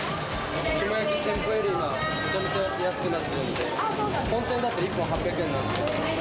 肝焼きが店舗よりちょっと安くなってるんで、本店だと１本８００円なんですけど。